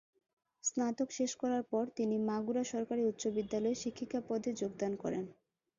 স্নাতক শেষ করার পর তিনি মাগুরা সরকারি উচ্চ বিদ্যালয়ে শিক্ষিকা পদে যোগদান করেন।